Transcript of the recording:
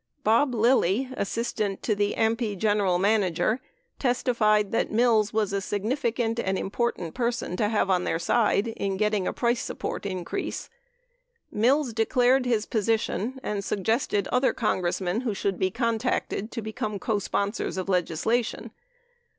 Bob Lilly, assistant to the AMPI general manager, testified that Mills was a significant and important person to have on their side in getting a price support increase. Mills declared his position and suggested other Congressmen who should be contacted to become cosponsors of legislation.